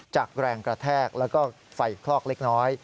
จากแรงกระแทกแล้วก็ไฟคลอกเล็กน้อย